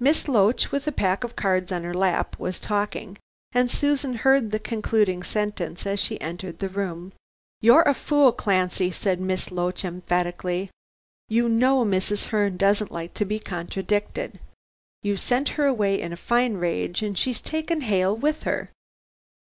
Miss Loach, with a pack of cards on her lap, was talking, and Susan heard the concluding sentence as she entered the room. "You're a fool, Clancy," said Miss Loach, emphatically. "You know Mrs. Herne doesn't like to be contradicted. You've sent her away in a fine rage, and she's taken Hale with her.